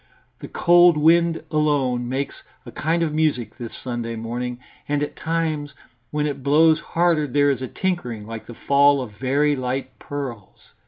The cold wind alone makes a kind of music this Sunday morning, and at times when it blows harder there is a tinkling like the fall of very light pearls.